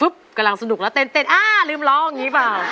กำลังสนุกแล้วเต้นอ้าลืมร้องอย่างนี้เปล่า